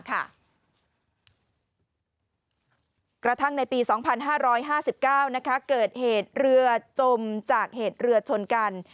กระทั่งในปี๒๕๕๙เกิดเหตุเรือจมจากเหตุเรือชนกัน